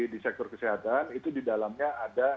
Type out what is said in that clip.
di sektor kesehatan itu didalamnya ada